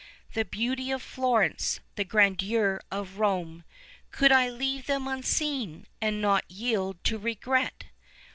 The beauty of Florence, the grandeur of Rome, Could I leave them unseen, and not yield to regret?